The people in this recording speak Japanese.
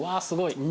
すごい！